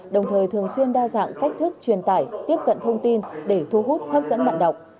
đồng thời thường xuyên đa dạng cách thức truyền tải tiếp cận thông tin để thu hút hấp dẫn bạn đọc